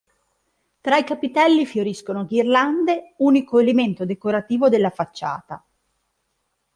Tra i capitelli fioriscono ghirlande, unico elemento decorativo della facciata.